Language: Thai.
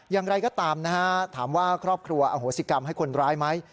อย่างไรก็ตามนะฮะถามว่าครอบครัวอโหสิกรรมให้คนร้ายไหม